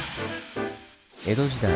江戸時代